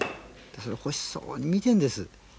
それを欲しそうに見てるんです。